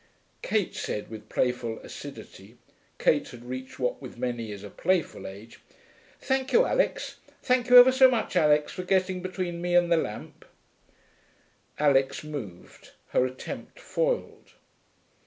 Kate said, with playful acidity (Kate had reached what with many is a playful age), 'Thank you, Alix. Thank you ever so much, Alix, for getting between me and the lamp.' Alix moved, her attempt foiled.